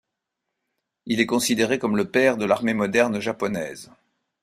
Il est considéré comme le père de l'armée moderne japonaise.